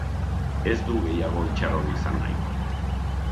Ez du gehiago itxaron izan nahi.